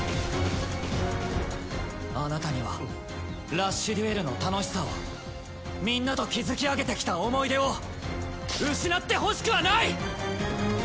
あなたにはラッシュデュエルの楽しさをみんなと築き上げてきた思い出を失ってほしくはない！！